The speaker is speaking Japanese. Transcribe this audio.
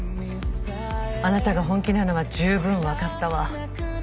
あなたが本気なのはじゅうぶん分かったわ